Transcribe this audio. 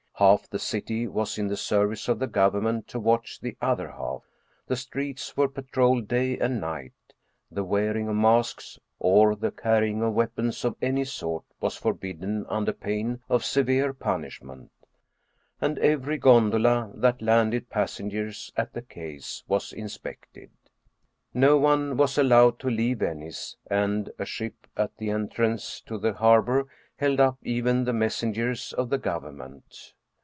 Half the city was in the service of the government to watch the other half. The streets were patrolled day and night ; the wearing of masks, or the carrying of weap ons of any sort, was forbidden under pain of severe punish ment; and every gondola that landed passengers at the quays was inspected. No one was allowed to leave Venice, and a ship at the entrance to the harbor held up even the messengers of the government.